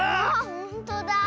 ほんとだ。